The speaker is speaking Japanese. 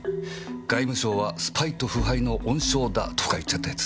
「外務省はスパイと腐敗の温床だ」とか言っちゃったやつ。